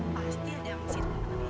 pasti ada yang masih hidup dengan dia